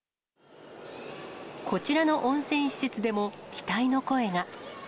こちらの温泉施設でも、期待の声が。